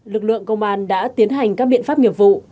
lực lượng công an đã tiến hành các biện pháp nghiệp vụ